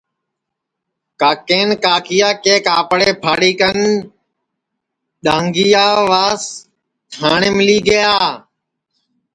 کاکین کاکِیا کے کاپڑے پھاڑی کن ڈؔاھنٚگِیا واس تھاٹؔینٚپ لی گِیا